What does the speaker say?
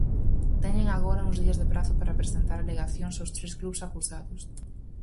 Teñen agora uns días de prazo para presentar alegacións os tres clubs acusados.